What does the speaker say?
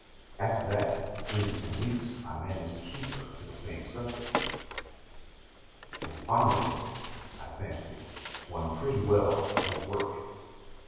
After that, during some weeks, I managed to keep her to the same subject, and finally, I fancy, won pretty well the whole work.